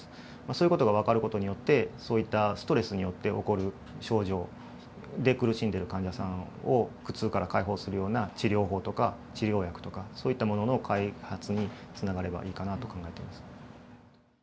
そういう事が分かる事によってそういったストレスによって起こる症状で苦しんでいる患者さんを苦痛から解放するような治療法とか治療薬とかそういったものの開発につながればいいかなと考えてます。